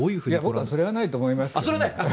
僕はそれないと思います。